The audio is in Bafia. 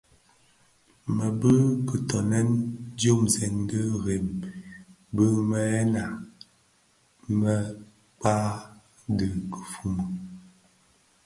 Më bi kitoňèn diomzèn di rèm bi mëyëna mëkpa dhi kifuni.